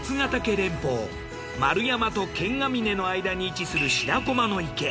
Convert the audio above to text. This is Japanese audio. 連峰丸山と剣ヶ峰の間に位置する白駒の池。